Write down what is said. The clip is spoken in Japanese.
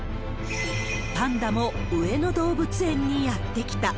パンダも上野動物園にやって来た。